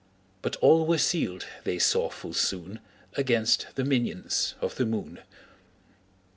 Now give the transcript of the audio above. But all were sealed, they saw full soon, Against the minions of the moon.